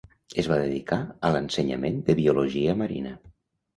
Es va dedicar a l'ensenyament de Biologia marina.